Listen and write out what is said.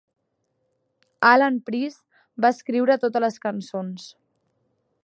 Alan Price va escriure totes les cançons.